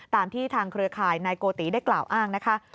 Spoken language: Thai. ตามที่ทางเครือข่ายนายโกติได้กล่าวอ้างนะคะ